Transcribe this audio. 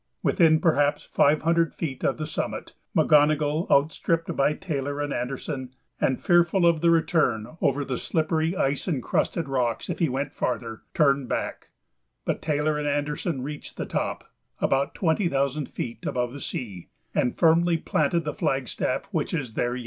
Within perhaps five hundred feet of the summit, McGonogill, outstripped by Taylor and Anderson, and fearful of the return over the slippery ice incrusted rocks if he went farther, turned back, but Taylor and Anderson reached the top (about twenty thousand feet above the sea) and firmly planted the flagstaff, which is there yet.